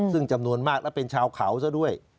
ซึ่งจำนวนมากและเป็นชาวเขาซะด้วย